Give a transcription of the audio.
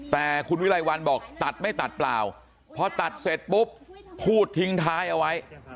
แต่คุณวิรัยวัลบอกตัดไม่ตัดเปล่าพอตัดเสร็จปุ๊บพูดทิ้งท้ายเอาไว้